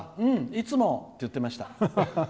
いつもって言ってました。